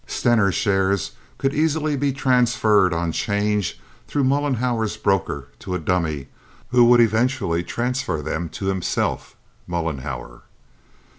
Stener's shares could easily be transferred on 'change through Mollenhauer's brokers to a dummy, who would eventually transfer them to himself (Mollenhauer).